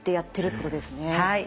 はい。